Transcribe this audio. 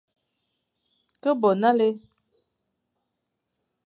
Ke bo nale,